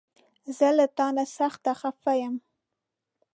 زه له تا سخته خفه يم!